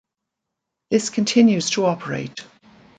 This continues to operate.